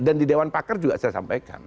dan di dewan pakar juga saya sampaikan